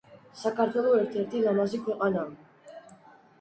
საქართველო ერთ-ერთი ლამაზი ქვეყანაა